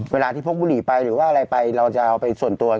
เวลาที่พวกผู้หนีไปจะเอาไปส่วนตัว